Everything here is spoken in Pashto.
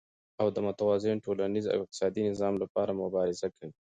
او د متوازن ټولنيز او اقتصادي نظام لپاره مبارزه کوي،